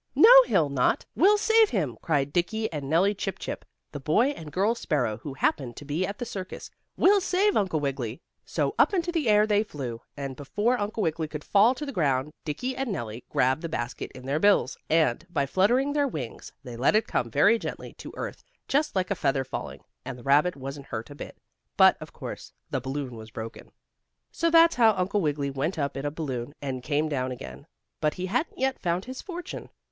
"No, he'll not! We'll save him!" cried Dickie and Nellie Chip Chip, the boy and girl sparrow, who happened to be at the circus. "We'll save Uncle Wiggily!" So up into the air they flew, and before Uncle Wiggily could fall to the ground Dickie and Nellie grabbed the basket in their bills, and, by fluttering their wings, they let it come very gently to earth just like a feather falling, and the rabbit wasn't hurt a bit. But, of course, the balloon was broken. So that's how Uncle Wiggily went up in a balloon and came down again, but he hadn't yet found his fortune.